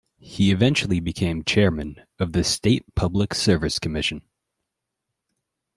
He eventually became Chairman of the State Public Service Commission.